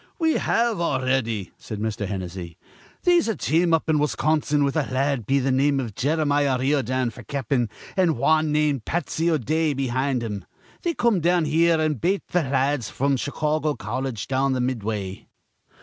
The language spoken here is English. "We have already," said Mr. Hennessy. "They'se a team up in Wisconsin with a la ad be th' name iv Jeremiah Riordan f'r cap'n, an' wan named Patsy O'Dea behind him. They come down here, an' bate th' la ads fr'm th' Chicawgo Colledge down be th' Midway."